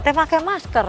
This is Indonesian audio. teh pakai masker